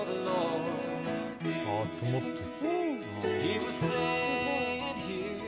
積もってる。